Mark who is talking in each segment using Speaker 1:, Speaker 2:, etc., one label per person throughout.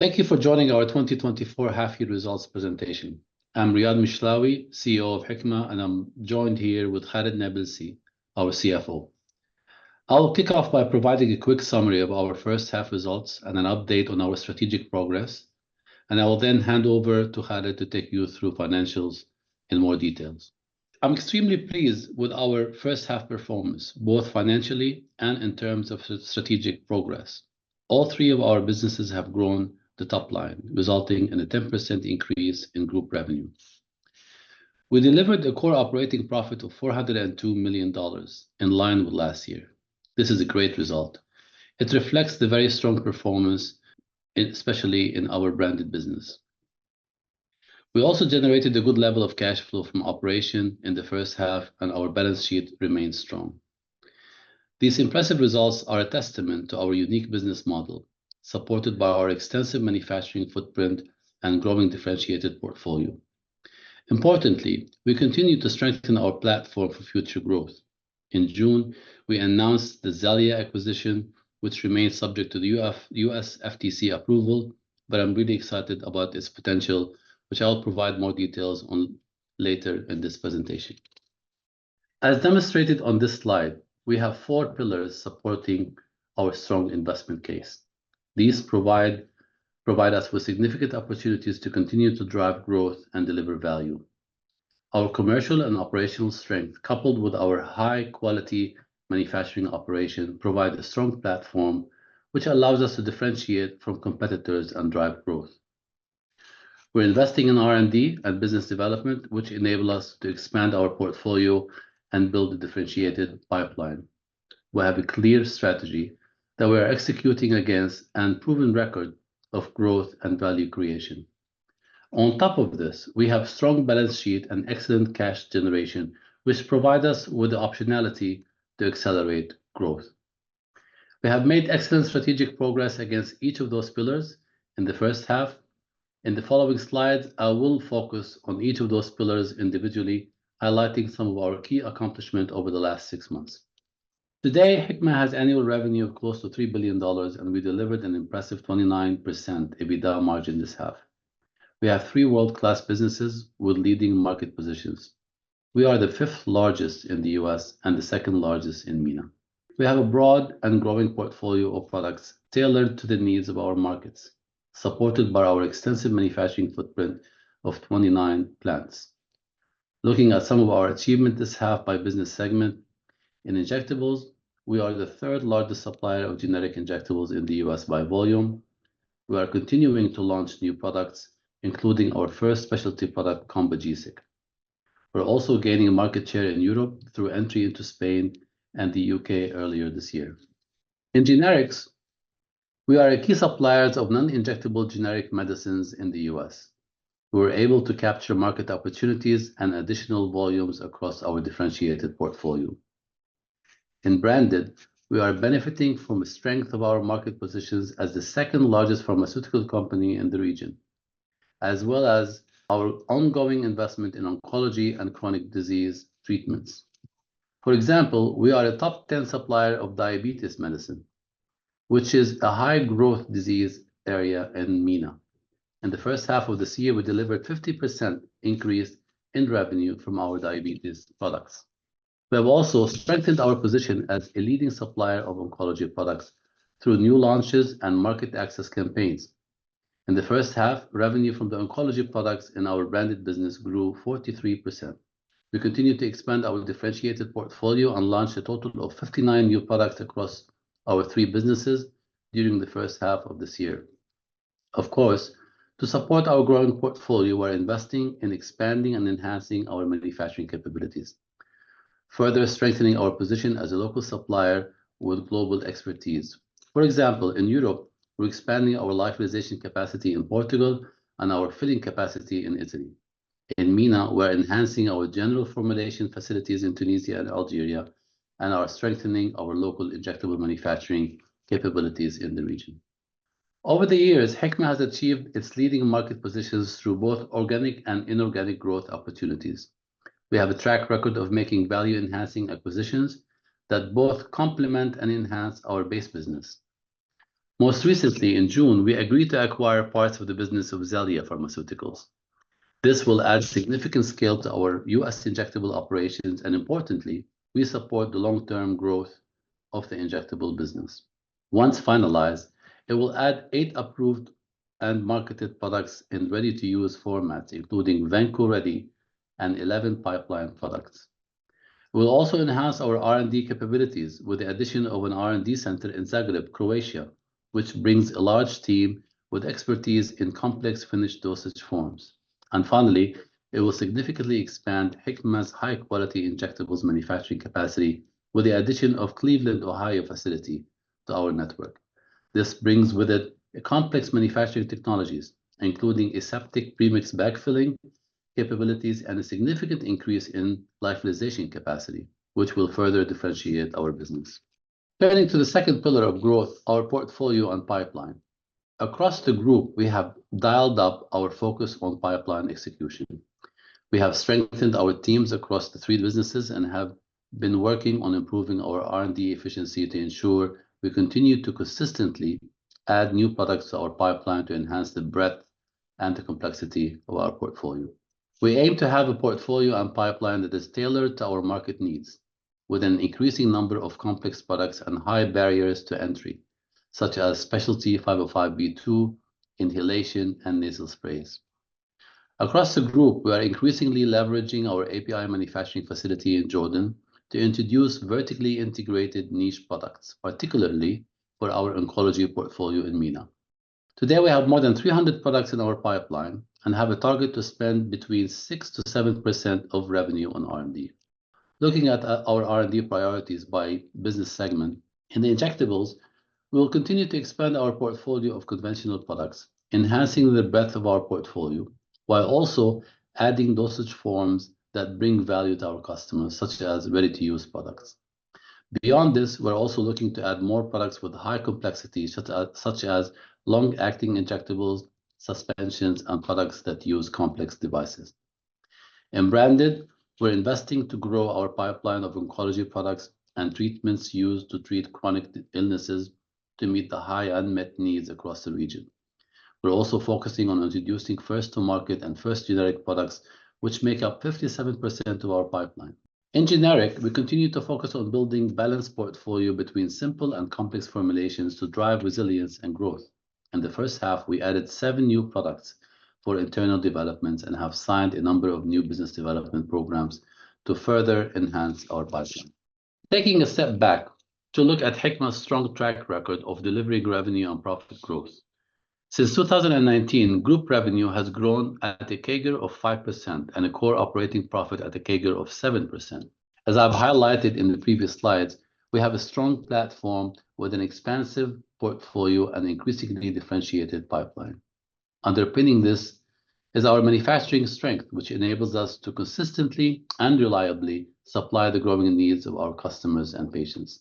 Speaker 1: Thank you for joining our 2024 half-year results presentation. I'm Riad Mishlawi CEO of Hikma, and I'm joined here with Khalid Nabilsi our CFO. I'll kick off by providing a quick summary of our first half results and an update on our strategic progress, and I will then hand over to Khaled to take you through financials in more details. I'm extremely pleased with our first half performance, both financially and in terms of strategic progress. All three of our businesses have grown the top line, resulting in a 10% increase in group revenue. We delivered a core operating profit of $402 million, in line with last year. This is a great result. It reflects the very strong performance, especially in our branded business. We also generated a good level of cash flow from operations in the first half, and our balance sheet remains strong. These impressive results are a testament to our unique business model, supported by our extensive manufacturing footprint and growing differentiated portfolio. Importantly, we continue to strengthen our platform for future growth. In June, we announced the Xellia acquisition, which remains subject to U.S. FTC approval, but I'm really excited about its potential, which I'll provide more details on later in this presentation. As demonstrated on this slide, we have four pillars supporting our strong investment case. These provide us with significant opportunities to continue to drive growth and deliver value. Our commercial and operational strength, coupled with our high-quality manufacturing operation, provide a strong platform, which allows us to differentiate from competitors and drive growth. We're investing in R&D and business development, which enable us to expand our portfolio and build a differentiated pipeline. We have a clear strategy that we are executing against, and proven record of growth and value creation. On top of this, we have strong balance sheet and excellent cash generation, which provide us with the optionality to accelerate growth. We have made excellent strategic progress against each of those pillars in the first half. In the following slides, I will focus on each of those pillars individually, highlighting some of our key accomplishment over the last six months. Today, Hikma has annual revenue of close to $3 billion, and we delivered an impressive 29% EBITDA margin this half. We have three world-class businesses with leading market positions. We are the fifth largest in the U.S. and the second largest in MENA. We have a broad and growing portfolio of products tailored to the needs of our markets, supported by our extensive manufacturing footprint of 29 plants. Looking at some of our achievement this half by business segment, in injectables, we are the third-largest supplier of generic injectables in the U.S. by volume. We are continuing to launch new products, including our first specialty product, Combogesic. We're also gaining market share in Europe through entry into Spain and the U.K. earlier this year. In generics, we are a key suppliers of non-injectable generic medicines in the U.S. We're able to capture market opportunities and additional volumes across our differentiated portfolio. In branded, we are benefiting from the strength of our market positions as the second-largest pharmaceutical company in the region, as well as our ongoing investment in oncology and chronic disease treatments. For example, we are a top 10 supplier of diabetes medicine, which is a high-growth disease area in MENA. In the first half of this year, we delivered 50% increase in revenue from our diabetes products. We have also strengthened our position as a leading supplier of oncology products through new launches and market access campaigns. In the first half, revenue from the oncology products in our branded business grew 43%. We continue to expand our differentiated portfolio and launched a total of 59 new products across our three businesses during the first half of this year. Of course, to support our growing portfolio, we're investing in expanding and enhancing our manufacturing capabilities, further strengthening our position as a local supplier with global expertise. For example, in Europe, we're expanding our lyophilization capacity in Portugal and our filling capacity in Italy. In MENA, we're enhancing our general formulation facilities in Tunisia and Algeria, and are strengthening our local injectable manufacturing capabilities in the region. Over the years, Hikma has achieved its leading market positions through both organic and inorganic growth opportunities. We have a track record of making value-enhancing acquisitions that both complement and enhance our base business. Most recently, in June, we agreed to acquire parts of the business of Xellia Pharmaceuticals. This will add significant scale to our U.S. injectable operations, and importantly, we support the long-term growth of the injectable business. Once finalized, it will add 8 approved and marketed products in ready-to-use formats, including Vanco Ready and 11 pipeline products. We'll also enhance our R&D capabilities with the addition of an R&D center in Zagreb, Croatia, which brings a large team with expertise in complex finished dosage forms. Finally, it will significantly expand Hikma's high-quality injectables manufacturing capacity with the addition of Cleveland, Ohio, facility to our network. This brings with it a complex manufacturing technologies, including aseptic premix bag filling capabilities and a significant increase in lyophilization capacity, which will further differentiate our business. Turning to the second pillar of growth, our portfolio and pipeline. Across the group, we have dialed up our focus on pipeline execution. We have strengthened our teams across the three businesses and have been working on improving our R&D efficiency to ensure we continue to consistently add new products to our pipeline to enhance the breadth and the complexity of our portfolio. We aim to have a portfolio and pipeline that is tailored to our market needs, with an increasing number of complex products and high barriers to entry, such as specialty 505(b)(2), inhalation, and nasal sprays. Across the group, we are increasingly leveraging our API manufacturing facility in Jordan to introduce vertically integrated niche products, particularly for our oncology portfolio in MENA. Today, we have more than 300 products in our pipeline and have a target to spend between 6%-7% of revenue on R&D. Looking at our R&D priorities by business segment, in the injectables, we will continue to expand our portfolio of conventional products, enhancing the breadth of our portfolio, while also adding dosage forms that bring value to our customers, such as ready-to-use products. Beyond this, we're also looking to add more products with high complexity, such as long-acting injectables, suspensions, and products that use complex devices. In branded, we're investing to grow our pipeline of oncology products and treatments used to treat chronic illnesses to meet the high unmet needs across the region. We're also focusing on introducing first-to-market and first-generic products, which make up 57% of our pipeline. In generic, we continue to focus on building balanced portfolio between simple and complex formulations to drive resilience and growth. In the first half, we added seven new products for internal developments and have signed a number of new business development programs to further enhance our pipeline. Taking a step back to look at Hikma's strong track record of delivering revenue and profit growth. Since 2019, group revenue has grown at a CAGR of 5% and a core operating profit at a CAGR of 7%. As I've highlighted in the previous slides, we have a strong platform with an expansive portfolio and increasingly differentiated pipeline. Underpinning this is our manufacturing strength, which enables us to consistently and reliably supply the growing needs of our customers and patients.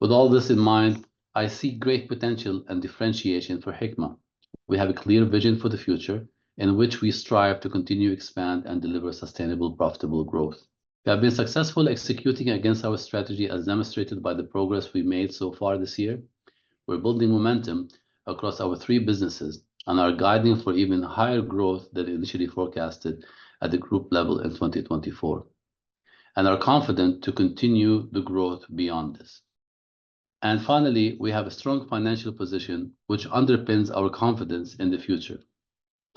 Speaker 1: With all this in mind, I see great potential and differentiation for Hikma. We have a clear vision for the future, in which we strive to continue, expand, and deliver sustainable, profitable growth. We have been successful executing against our strategy, as demonstrated by the progress we've made so far this year. We're building momentum across our three businesses and are guiding for even higher growth than initially forecasted at the group level in 2024, and are confident to continue the growth beyond this. Finally, we have a strong financial position, which underpins our confidence in the future.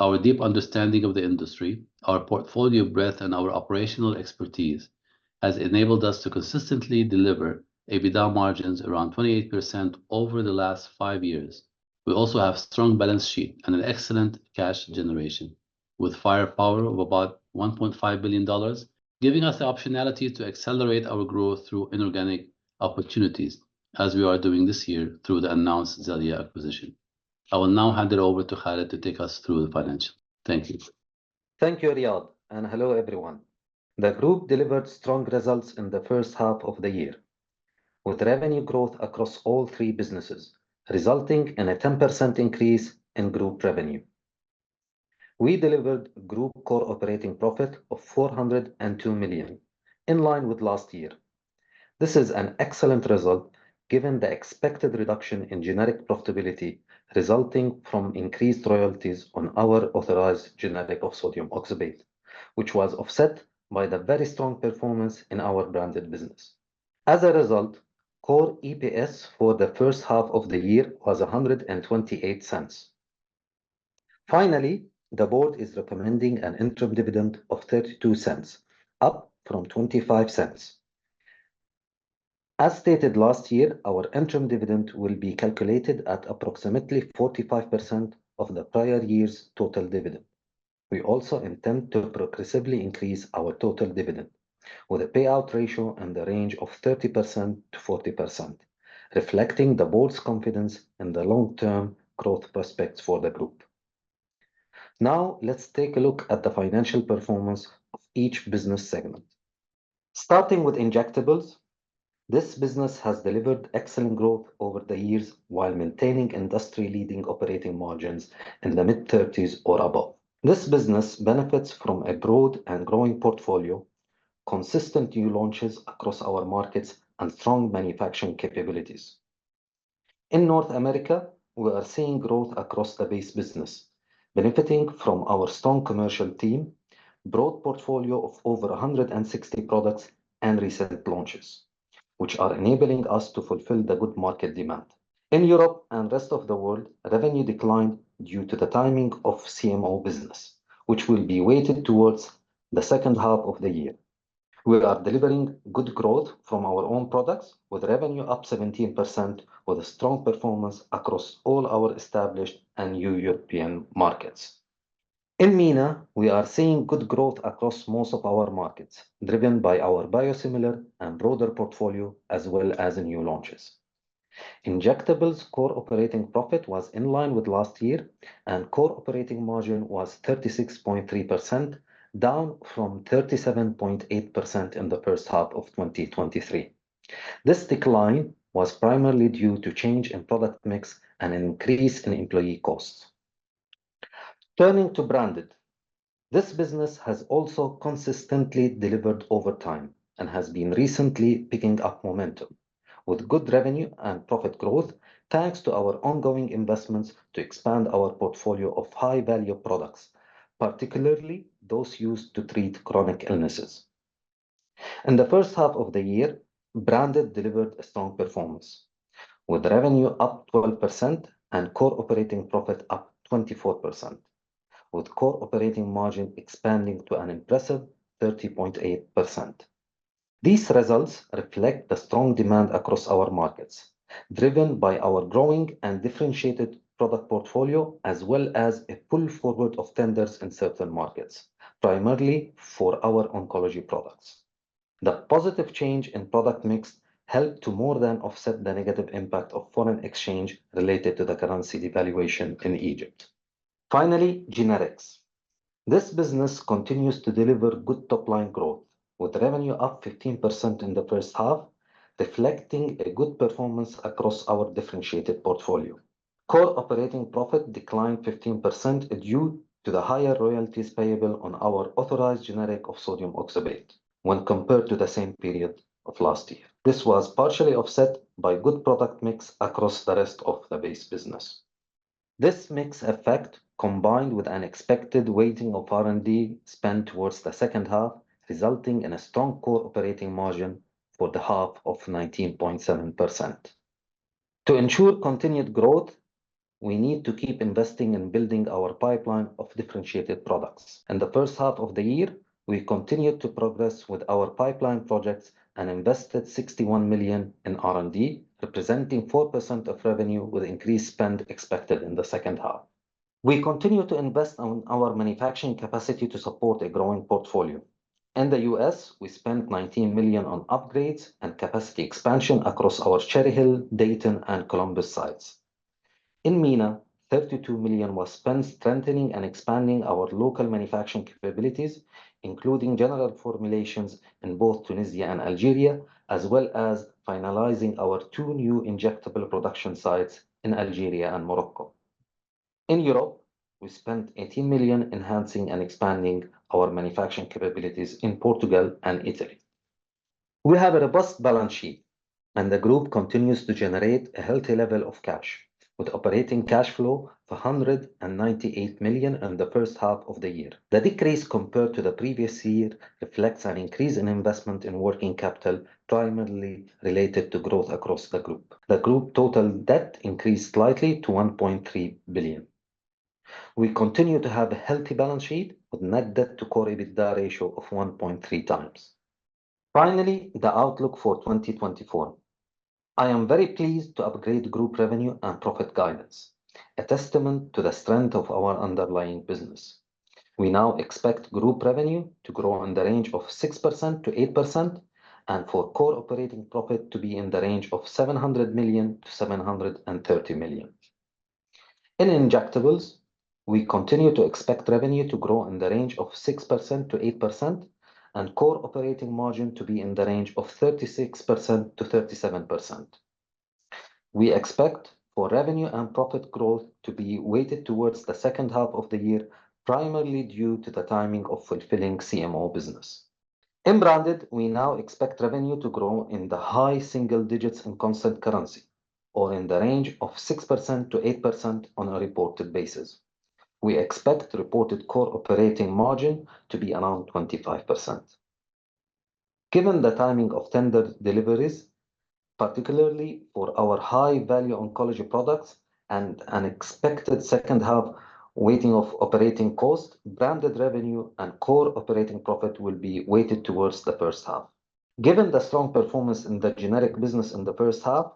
Speaker 1: Our deep understanding of the industry, our portfolio breadth, and our operational expertise has enabled us to consistently deliver EBITDA margins around 28% over the last five years. We also have strong balance sheet and an excellent cash generation, with firepower of about $1.5 billion, giving us the optionality to accelerate our growth through inorganic opportunities, as we are doing this year through the announced Xellia acquisition. I will now hand it over to Khaled to take us through the financials. Thank you.
Speaker 2: Thank you, Riyad, and hello, everyone. The group delivered strong results in the first half of the year, with revenue growth across all three businesses, resulting in a 10% increase in group revenue. We delivered group core operating profit of $402 million, in line with last year. This is an excellent result, given the expected reduction in generic profitability, resulting from increased royalties on our authorized generic of sodium oxybate, which was offset by the very strong performance in our branded business. As a result, core EPS for the first half of the year was $1.28. Finally, the board is recommending an interim dividend of $0.32, up from $0.25. As stated last year, our interim dividend will be calculated at approximately 45% of the prior year's total dividend. We also intend to progressively increase our total dividend, with a payout ratio in the range of 30%-40%, reflecting the board's confidence in the long-term growth prospects for the group. Now, let's take a look at the financial performance of each business segment. Starting with injectables, this business has delivered excellent growth over the years while maintaining industry-leading operating margins in the mid-30s or above. This business benefits from a broad and growing portfolio, consistent new launches across our markets, and strong manufacturing capabilities. In North America, we are seeing growth across the base business, benefiting from our strong commercial team, broad portfolio of over 160 products, and recent launches, which are enabling us to fulfill the good market demand. In Europe and rest of the world, revenue declined due to the timing of CMO business, which will be weighted towards the second half of the year. We are delivering good growth from our own products, with revenue up 17%, with a strong performance across all our established and new European markets. In MENA, we are seeing good growth across most of our markets, driven by our biosimilar and broader portfolio, as well as in new launches. Injectables core operating profit was in line with last year, and core operating margin was 36.3%, down from 37.8% in the first half of 2023. This decline was primarily due to change in product mix and an increase in employee costs. Turning to Branded. This business has also consistently delivered over time and has been recently picking up momentum, with good revenue and profit growth, thanks to our ongoing investments to expand our portfolio of high-value products, particularly those used to treat chronic illnesses. In the first half of the year, Branded delivered a strong performance, with revenue up 12% and core operating profit up 24%, with core operating margin expanding to an impressive 30.8%. These results reflect the strong demand across our markets, driven by our growing and differentiated product portfolio, as well as a pull forward of tenders in certain markets, primarily for our oncology products. The positive change in product mix helped to more than offset the negative impact of foreign exchange related to the currency devaluation in Egypt. Finally, Generics. This business continues to deliver good top-line growth, with revenue up 15% in the first half, reflecting a good performance across our differentiated portfolio. Core operating profit declined 15% due to the higher royalties payable on our authorized generic of sodium oxybate when compared to the same period of last year. This was partially offset by good product mix across the rest of the base business. This mix effect, combined with unexpected weighting of R&D spend towards the second half, resulting in a strong core operating margin for the half of 19.7%. To ensure continued growth, we need to keep investing in building our pipeline of differentiated products. In the first half of the year, we continued to progress with our pipeline projects and invested $61 million in R&D, representing 4% of revenue, with increased spend expected in the second half. We continue to invest on our manufacturing capacity to support a growing portfolio. In the US, we spent $19 million on upgrades and capacity expansion across our Cherry Hill, Dayton, and Columbus sites. In MENA, $32 million was spent strengthening and expanding our local manufacturing capabilities, including general formulations in both Tunisia and Algeria, as well as finalizing our two new injectable production sites in Algeria and Morocco. In Europe, we spent $18 million enhancing and expanding our manufacturing capabilities in Portugal and Italy. We have a robust balance sheet, and the group continues to generate a healthy level of cash, with operating cash flow of $198 million in the first half of the year. The decrease compared to the previous year reflects an increase in investment in working capital, primarily related to growth across the group. The group total debt increased slightly to $1.3 billion. We continue to have a healthy balance sheet, with net debt to core EBITDA ratio of 1.3 times. Finally, the outlook for 2024. I am very pleased to upgrade group revenue and profit guidance, a testament to the strength of our underlying business. We now expect group revenue to grow in the range of 6%-8% and for core operating profit to be in the range of $700 million-$730 million. In Injectables, we continue to expect revenue to grow in the range of 6%-8% and core operating margin to be in the range of 36%-37%. We expect for revenue and profit growth to be weighted towards the second half of the year, primarily due to the timing of fulfilling CMO business. In Branded, we now expect revenue to grow in the high single digits in constant currency, or in the range of 6%-8% on a reported basis. We expect reported core operating margin to be around 25%. Given the timing of tender deliveries, particularly for our high-value oncology products and unexpected second-half weighting of operating costs, Branded revenue and core operating profit will be weighted towards the first half. Given the strong performance in the Generic business in the first half,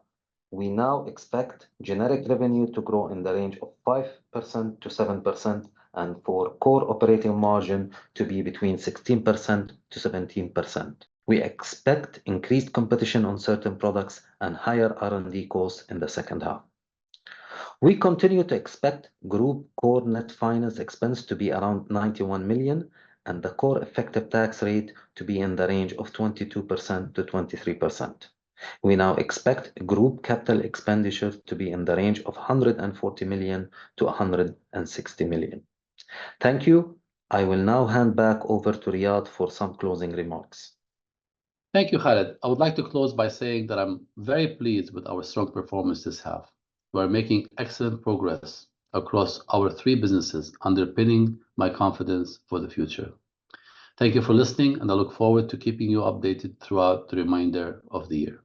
Speaker 2: we now expect Generic revenue to grow in the range of 5%-7% and for core operating margin to be between 16%-17%. We expect increased competition on certain products and higher R&D costs in the second half. We continue to expect group core net finance expense to be around $91 million, and the core effective tax rate to be in the range of 22%-23%. We now expect group capital expenditures to be in the range of $140 million-$160 million. Thank you. I will now hand back over to Riyad for some closing remarks.
Speaker 1: Thank you, Khaled. I would like to close by saying that I'm very pleased with our strong performance this half. We're making excellent progress across our three businesses, underpinning my confidence for the future. Thank you for listening, and I look forward to keeping you updated throughout the remainder of the year.